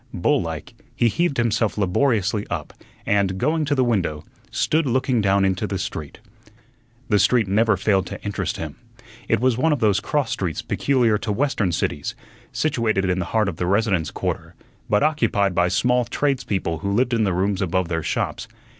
Bull like, he heaved himself laboriously up, and, going to the window, stood looking down into the street. The street never failed to interest him. It was one of those cross streets peculiar to Western cities, situated in the heart of the residence quarter, but occupied by small tradespeople who lived in the rooms above their shops.